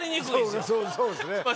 そうですね。